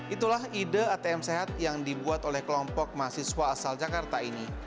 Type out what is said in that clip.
itulah ide atm sehat yang dibuat oleh kelompok mahasiswa asal jakarta ini